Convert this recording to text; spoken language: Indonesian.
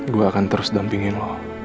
gue akan terus dampingin